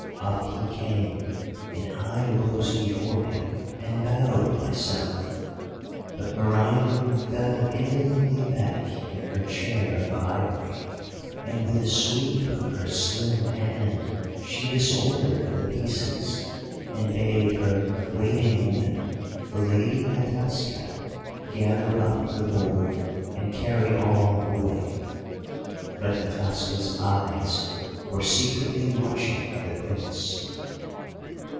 Up he came, and I rose before him, and bowed myself. But Meriamun fell indolently back in her chair of ivory, and with a sweep of her slim hand she disordered the pieces, and bade her waiting woman, the lady Hataska, gather up the board, and carry all away. But Hataska's eyes were secretly watching the Prince.